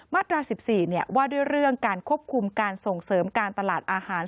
มาตรา๑๔ว่าด้วยเรื่องการควบคุมการส่งเสริมการตลาดอาหาร